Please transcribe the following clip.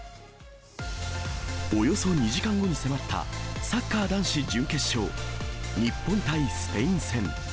およそ２時間後に迫ったサッカー男子準決勝、日本対スペイン戦。